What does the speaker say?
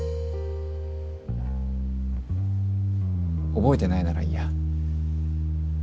覚えてないならいいや。